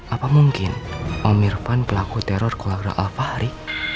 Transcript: apa mungkin om irfan pelaku teror keluarga al fahri